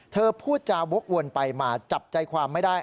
พูดจาวกวนไปมาจับใจความไม่ได้